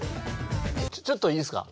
ちょっといいっすか。